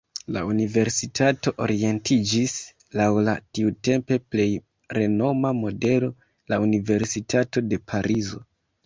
La universitato orientiĝis laŭ la tiutempe plej renoma modelo, la universitato de Parizo.